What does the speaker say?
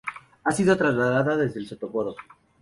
Ha sido trasladada desde el sotocoro.